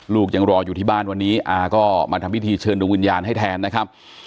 ลูกยังรออยู่ที่บ้านวันนี้อาก็มาทำพิธีเชิญดวงวิญญาณให้แทนนะครับ